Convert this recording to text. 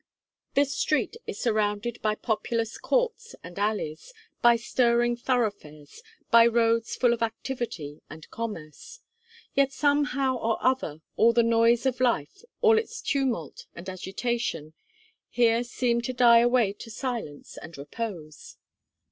This street is surrounded by populous courts and alleys, by stirring thoroughfares, by roads full of activity and commerce; yet somehow or other, all the noise of life, all its tumult and agitation, here seem to die away to silence and repose.